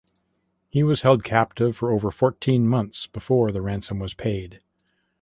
He was held captive for over fourteen months before the ransom was paid.